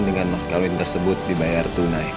dengan mas kawin tersebut dibayar tunai